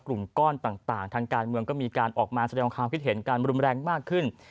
กลุ่มก้อนต่างทางการเมืองก็มีการออกมาแสดงความคิดเห็นการรุนแรงมากขึ้น